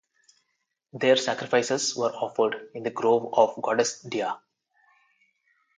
Their sacrifices were offered in the grove of the goddess Dia.